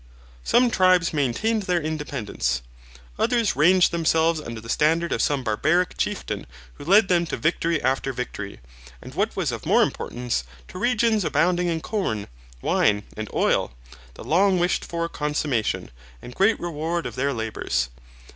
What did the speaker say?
Some tribes maintained their independence. Others ranged themselves under the standard of some barbaric chieftain who led them to victory after victory, and what was of more importance, to regions abounding in corn, wine, and oil, the long wished for consummation, and great reward of their labours.